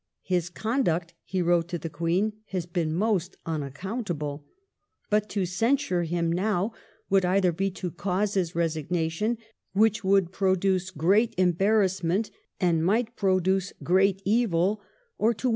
His conduct, he wrote to the Queen, " has been most unaccountable. But to censure him now would either be to cause his resignation, which would produce great embarrassment, and might produce great evil, or to weaken 1 P.